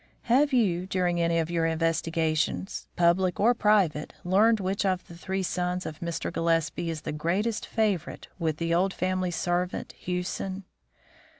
"Have you, during any of your investigations, public or private, learned which of the three sons of Mr. Gillespie is the greatest favourite with the old family servant, Hewson?"